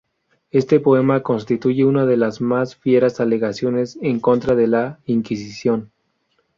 Este poema, constituye uno de las más fieras alegaciones en contra de la Inquisición.